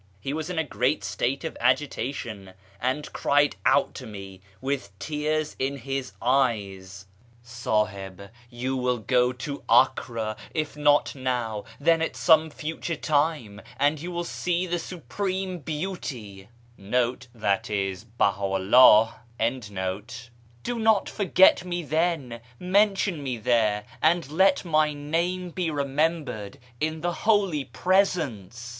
He was in a great state of agitation, and cried out to me with tears in his eyes —" Sahib, you will go to Acre, if not now, then at some future time, and you will see the Supreme Beauty,^ ])o not forget me then ; mention me there, and let my name be re membered in the Holy Presence